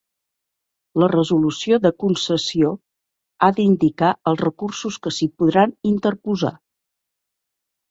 La resolució de concessió ha d'indicar els recursos que s'hi podran interposar.